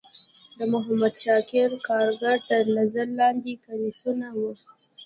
د محمد شاکر کارګر تر نظر لاندی کمیسیون و.